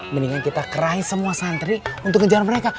mendingan kita cry semua santri untuk ngejar mereka